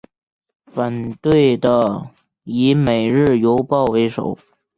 反对的以每日邮报为首。